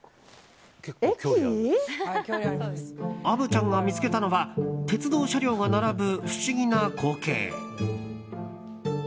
虻ちゃんが見つけたのは鉄道車両が並ぶ不思議な光景。